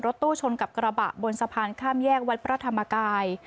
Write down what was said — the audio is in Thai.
ตู้ชนกับกระบะบนสะพานข้ามแยกวัดพระธรรมกาย